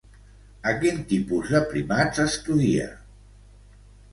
A quin tipus de primats estudia?